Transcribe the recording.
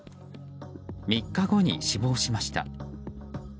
３日後に死亡しました。